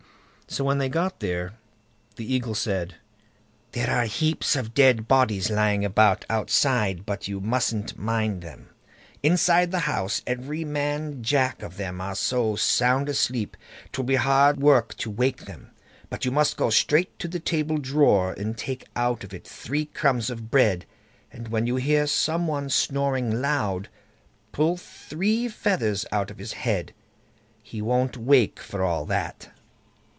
So when they got there, the Eagle said "There are heaps of dead bodies lying about outside but you mustn't mind them. Inside the house every man Jack of them are so sound asleep, "t will be hard work to wake them; but you must go straight to the table drawer, and take out of it three crumbs of bread, and when you hear some one snoring loud, pull three feathers out of his head; he won't wake for all that."